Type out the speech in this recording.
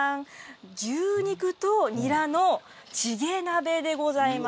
牛肉とニラのチゲ鍋でございます。